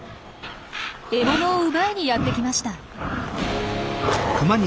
獲物を奪いにやってきました。